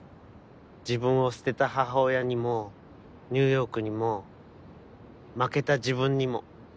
自分を捨てた母親にもニューヨークにも負けた自分にも。